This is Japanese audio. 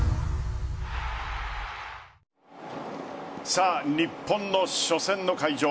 さあ、日本の初戦の会場